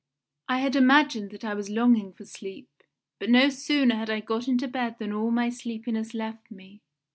"I had imagined that I was longing for sleep, but no sooner had I got into bed than all my sleepiness left me.